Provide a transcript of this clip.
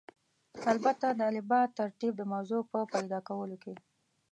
البته د الفبا ترتیب د موضوع په پیدا کولو کې.